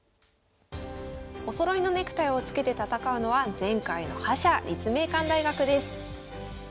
おそろいのネクタイを着けて戦うのは前回の覇者立命館大学です。